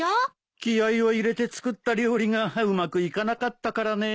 気合を入れて作った料理がうまくいかなかったからね。